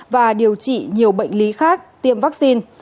và điều trị nhiều bệnh lý khác tiêm vaccine